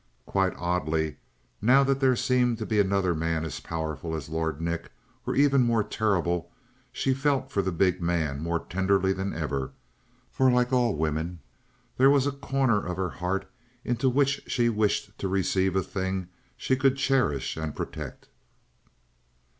Quite oddly, now that there seemed another man as powerful as Lord Nick or even more terrible, she felt for the big man more tenderly than ever; for like all women, there was a corner of her heart into which she wished to receive a thing she could cherish and protect.